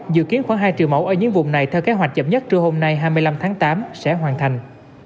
dự kiến khoảng hai triệu mẫu ở những vùng này theo kế hoạch chậm nhất trưa hôm nay hai mươi năm tháng tám sẽ hoàn thành